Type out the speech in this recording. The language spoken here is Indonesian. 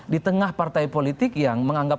di tengah partai politik yang menganggap